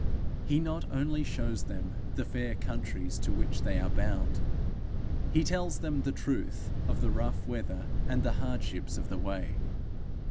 He not only shows them the fair countries to which they are bound; he tells them the truth of the rough weather and the hardships of the way.